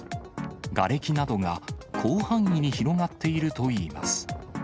がれきなどが広範囲に広がっているといいます。